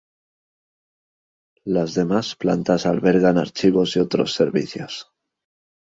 Las demás plantas albergan archivos y otros servicios.